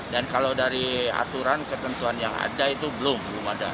dan kalau dari aturan ketentuan yang ada itu belum belum ada